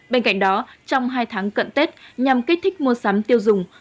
bên cạnh đó trong hai tháng cận tết nhằm kích thích mua sắm tiêu dùng